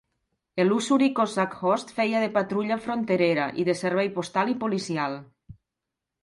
El Ussuri Cossack Host feia de patrulla fronterera, i de servei postal i policial.